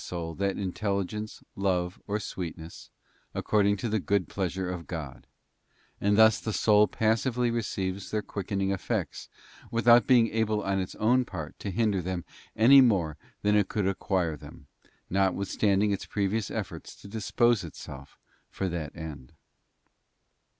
119 soul that intelligence, love, or sweetness, according to the good pleasure of God; and thus the soul passively receives ———— their quickening effects without being able on its own part to hinder them any more than it could acquire them, notwith standing its previous efforts to dispose itself for that end.